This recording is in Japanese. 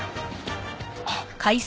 あっ。